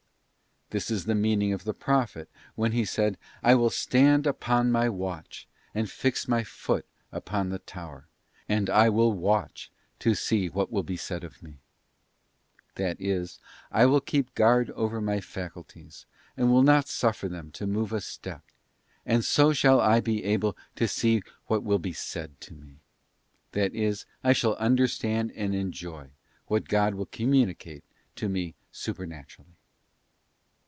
This is the meaning of the Prophet when he said, ' I Superiority of the passive soul. 234 THE ASCENT OF MOUNT CARMEL. BOOK will stand upon my watch, and fix my foot upon the tower; —— and I will watch to see what will be said to me.'* That is, I will keep guard over my faculties, and will not suffer them to move a step, and so shall I be able to see what will be said to me; that is, I shall understand and enjoy what God will communicate to me supernaturally.